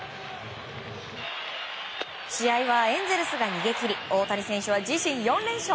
試合はエンゼルスが逃げ切り大谷選手は自身４連勝！